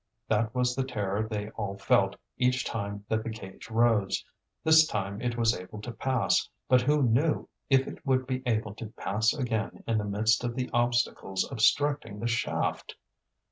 That was the terror they all felt each time that the cage rose; this time it was able to pass, but who knew if it would be able to pass again in the midst of the obstacles obstructing the shaft?